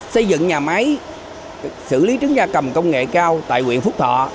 xây dựng nhà máy xử lý trứng da cầm công nghệ cao tại quyện phúc thọ